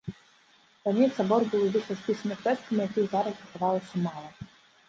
Раней сабор быў увесь распісаны фрэскамі, якіх зараз захавалася мала.